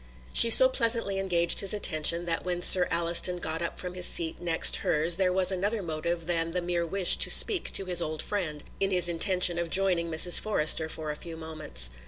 She so pleasantly engaged his attention that when Sir Alliston got up from his seat next hers there was another motive than the mere wish to speak to his old friend in his intention of joining Mrs. Forrester for a few moments.